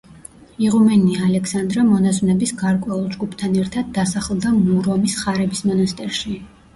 იღუმენია ალექსანდრა მონაზვნების გარკვეულ ჯგუფთან ერთად დასახლდა მურომის ხარების მონასტერში.